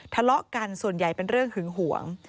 ทะเลาะกันส่วนใหญ่เป็นเรื่องหึงหวง